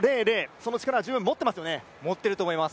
その力は十分、持っていますよね。